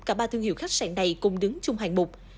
cả ba thương hiệu khách sạn này cùng đứng chung hàng mục